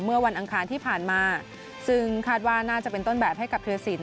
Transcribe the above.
วันอังคารที่ผ่านมาซึ่งคาดว่าน่าจะเป็นต้นแบบให้กับเทียรสิน